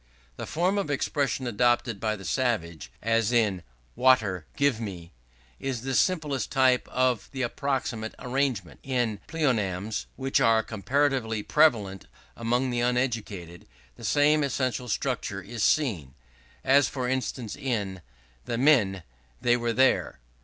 The form of expression adopted by the savage, as in "Water, give me," is the simplest type of the approximate arrangement. In pleonasms, which are comparatively prevalent among the uneducated, the same essential structure is seen; as, for instance, in "The men, they were there."